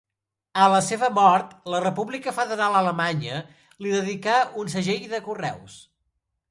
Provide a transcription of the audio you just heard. A la seva mort, la República Federal Alemanya li dedicà un segell de correus.